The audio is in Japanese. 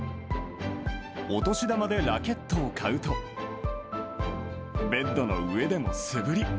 お年玉でラケットを買うと、ベッドの上でも素振り。